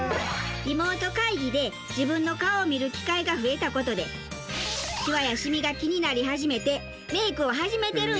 リモート会議で自分の顔を見る機会が増えた事でシワやシミが気になり始めてメイクを始めてるんやって。